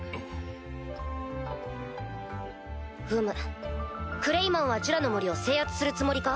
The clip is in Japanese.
ふむクレイマンはジュラの森を制圧するつもりか？